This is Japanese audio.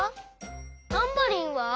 タンバリンは？